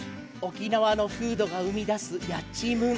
沖縄の風土が生み出すやちむん。